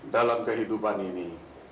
dalam kehidupan ini